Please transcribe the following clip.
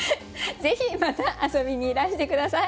ぜひまた遊びにいらして下さい。